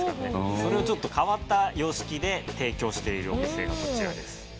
それをちょっと変わった様式で提供しているお店がこちらです。